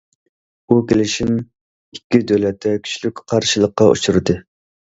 بۇ كېلىشىم ئىككى دۆلەتتە كۈچلۈك قارشىلىققا ئۇچرىدى.